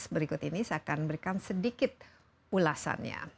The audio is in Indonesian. berikut ini saya akan berikan sedikit ulasannya